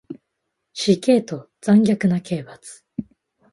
死刑と残虐な刑罰